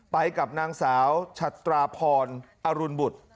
ไปกับนางสาวชัตราพรอรุณบุตร